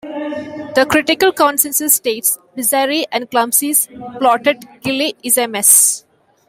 The critical consensus states: "Bizarre and clumsily plotted, "Gigli" is a mess.